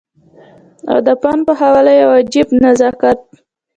او د فن په حواله يو عجيبه نزاکت